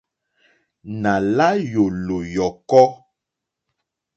Nà la yòlò yɔ̀kɔ.